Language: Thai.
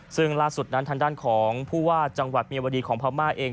ซึ่งล่าสุดนั้นทางด้านของผู้ว่าจังหวัดเมียวดีของพม่าเอง